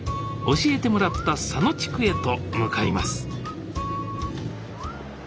教えてもらった佐野地区へと向かいます